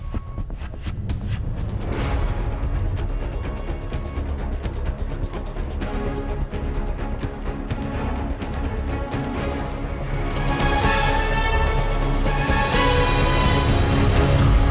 di video selanjutnya